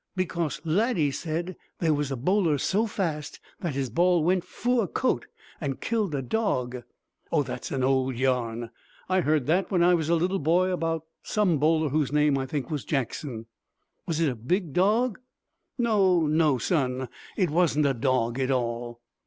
"Because Laddie said there was a bowler so fast that his ball went frue a coat and killed a dog." "Oh, that's an old yarn. I heard that when I was a little boy about some bowler whose name, I think, was Jackson." "Was it a big dog?" "No, no, son; it wasn't a dog at all."